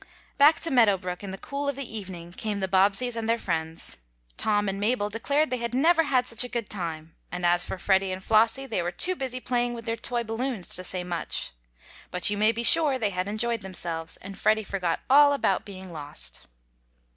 Back to Meadow Brook in the cool of the evening came the Bobbseys and their friends. Tom and Mabel declared they had never had such a good time, and as for Freddie and Flossie they were too busy playing with their toy balloons to say much. But you may be sure they had enjoyed themselves, and Freddie forgot all about being lost.